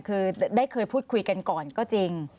คือได้เคยพูดคุยกันก่อนก็จริง